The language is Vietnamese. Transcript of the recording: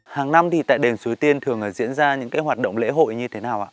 hàng năm thì tại đền suối tiên thường diễn ra những cái hoạt động lễ hội như thế nào ạ